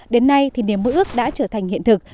các hội ước đã trở thành hiện thực